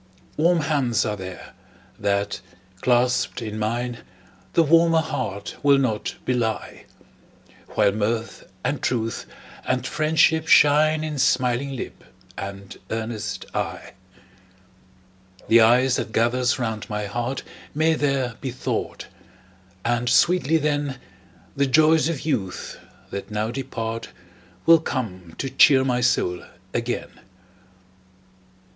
Warm hands are there, that, clasped in mine, The warmer heart will not belie; While mirth, and truth, and friendship shine In smiling lip and earnest eye. The ice that gathers round my heart May there be thawed; and sweetly, then, The joys of youth, that now depart, Will come to cheer my soul again.